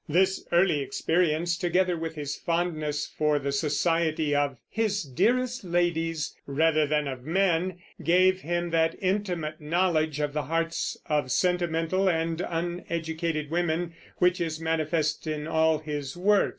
This early experience, together with his fondness for the society of "his dearest ladies" rather than of men, gave him that intimate knowledge of the hearts of sentimental and uneducated women which is manifest in all his work.